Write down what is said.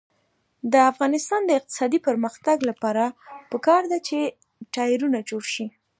د افغانستان د اقتصادي پرمختګ لپاره پکار ده چې ټایرونه جوړ شي.